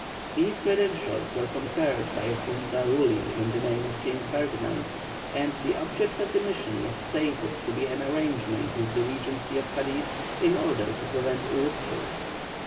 These credentials were conferred by a Junta ruling in the name of King Ferdinand, and the object of the mission was stated to be an arrangement with the Regency of Cadiz in order to prevent a rupture.